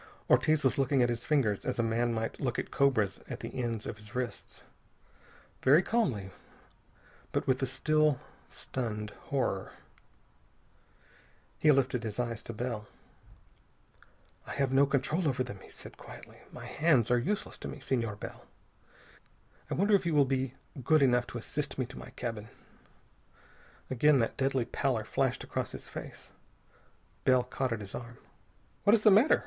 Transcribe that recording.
Ortiz was looking at his fingers as a man might look at cobras at the ends of his wrists. Very calmly, but with a still, stunned horror. He lifted his eyes to Bell. "I have no control over them," he said quietly. "My hands are useless to me, Senor Bell. I wonder if you will be good enough to assist me to my cabin." Again that deadly pallor flashed across his face. Bell caught at his arm. "What is the matter?"